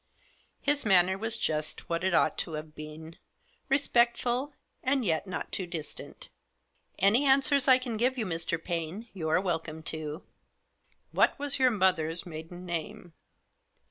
His manner was just what it ought to have been, respectful, and yet not too distant. " Any answers I can give you, Mr. Paine, you are welcome to." " What was your mother's maiden name